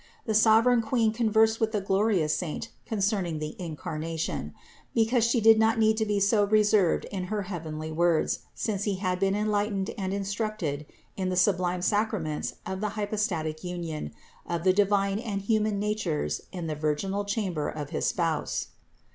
The sovereign Queen conversed with the glorious saint concerning the Incarnation ; because She did not need to be so reserved in her heavenly words since he had been enlightened and 346 CITY OF GOD instructed in the sublime sacraments of the hypostatic union of the divine and human natures in the virginal chamber of his Spouse.